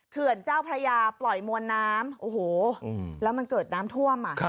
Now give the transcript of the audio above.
เขื่อนเจ้าพระยาปล่อยมวลน้ำโอ้โหแล้วมันเกิดน้ำท่วม